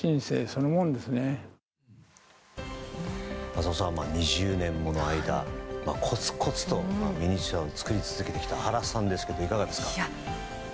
浅尾さん、２０年もの間コツコツとミニチュアを作り続けてきた原さんですが、いかがですか？